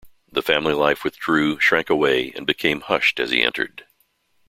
The family life withdrew, shrank away, and became hushed as he entered.